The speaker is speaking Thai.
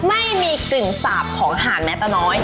ไม่มีกลิ่นสาบของห่านแม้ตาน้อย